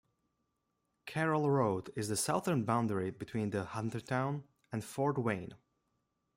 Carroll Road is the southern boundary line between Huntertown and Fort Wayne.